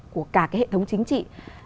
của cả cái hệ thống chính trị